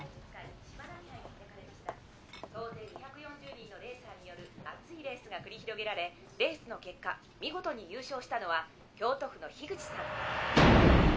総勢２４０人のレーサーによる熱いレースが繰り広げられレースの結果見事に優勝したのは京都府の樋口さん。